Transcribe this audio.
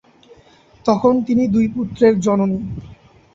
তখন তিনি দুই পুত্রের জননী।